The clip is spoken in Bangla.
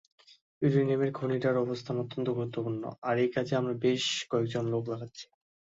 ইউরেনিয়ামের খনিটার অবস্থান অত্যন্ত গুরুত্বপূর্ণ, আর এই কাজে আমরা বেশ কয়েকজন লোক লাগাচ্ছি।